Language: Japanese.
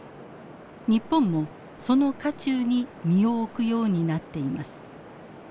日本もその渦中に身を置くようになっています。